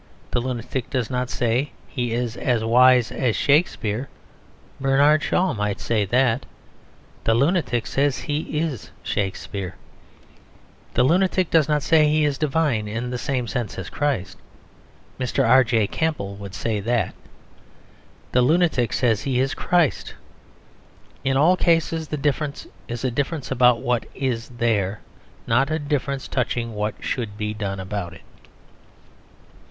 The lunatic does not say he is as wise as Shakespeare; Bernard Shaw might say that. The lunatic says he is Shakespeare. The lunatic does not say he is divine in the same sense as Christ; Mr. R.J. Campbell would say that. The lunatic says he is Christ. In all cases the difference is a difference about what is there; not a difference touching what should be done about it.